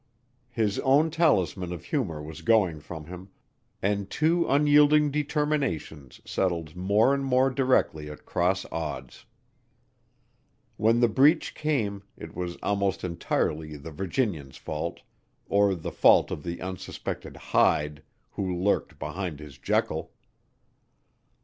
His own talisman of humor was going from him, and two unyielding determinations settled more and more directly at cross odds. When the breach came it was almost entirely the Virginian's fault, or the fault of the unsuspected Hyde who lurked behind his Jekyll.